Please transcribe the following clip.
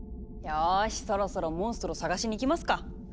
よしそろそろモンストロ探しに行きますか。